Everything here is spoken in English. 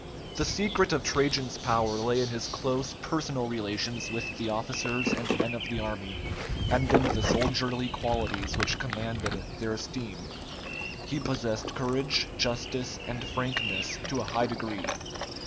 The secret of Trajan's power lay in his close personal relations with the officers and men of the army, and in the soldierly qualities which commanded their esteem. He possessed courage, justice, and frankness to a high degree.